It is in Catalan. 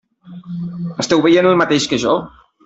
Esteu veient el mateix que jo?